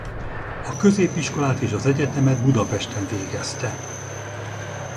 A középiskolát és az egyetemet Budapesten végezte.